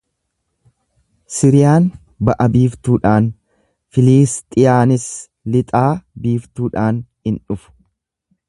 Siriyaan ba'a-biiftuudhaan, Filiisxiyaanis lixaa-biiftuudhaan in dhufu.